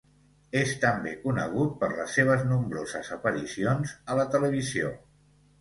És també conegut per les seves nombroses aparicions a la televisió.